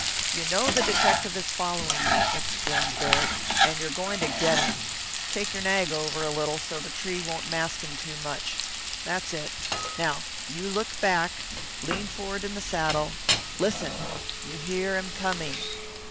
"You know the detective is following you," explained Baird, "and you're going to get him. Take your nag over a little so the tree won't mask him too much. That's it. Now, you look back, lean forward in the saddle, listen! You hear him coming.